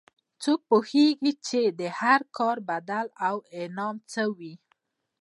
څوک پوهیږي چې د هر کار بدل او انعام څه وي